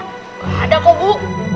gak ada kok bu